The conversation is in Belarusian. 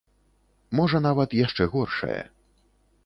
Можа нават яшчэ горшае.